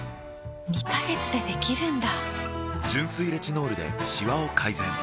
２カ月でできるんだ！